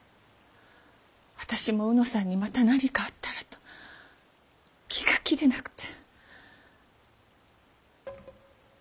私も卯之さんにまた何かあったらと気が気でなくて。